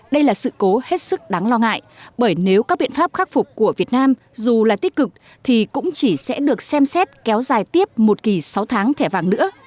đây là sự cố hết sức đáng lo ngại bởi nếu các biện pháp khắc phục của việt nam dù là tích cực thì cũng chỉ sẽ được xem xét kéo dài tiếp một kỳ sáu tháng thẻ vàng nữa